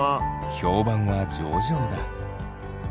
評判は上々だ。